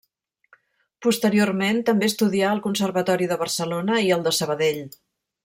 Posteriorment també estudià al Conservatori de Barcelona i al de Sabadell.